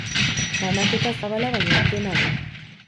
Banaketa zabala baina etena du.